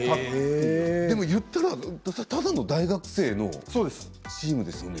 言ったらただの大学生のチームですよね。